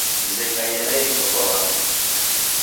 Msekaie na iriso kwa w'andu